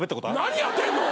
何やってんの！？